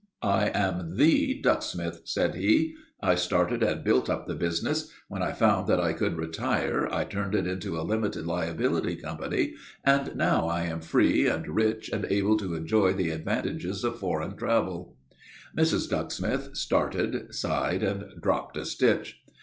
"I am the Ducksmith," said he. "I started and built up the business. When I found that I could retire, I turned it into a limited liability company, and now I am free and rich and able to enjoy the advantages of foreign travel." Mrs. Ducksmith started, sighed, and dropped a stitch.